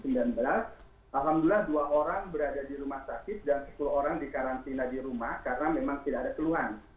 alhamdulillah dua orang berada di rumah sakit dan sepuluh orang di karantina di rumah karena memang tidak ada keluhan